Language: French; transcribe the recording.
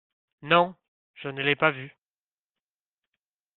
Non… je ne l’ai pas vu…